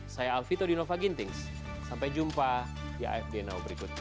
saya alfito di novagintings sampai jumpa di afd now berikutnya